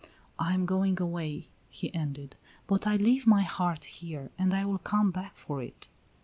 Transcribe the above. "I am going away," he ended, "but I leave my heart here and I will come back for it."